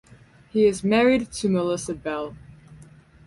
He is married to Melissa Bell.